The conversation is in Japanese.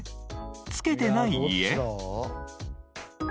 付けてない家？